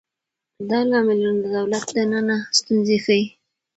دا لاملونه د دولت دننه ستونزې ښيي.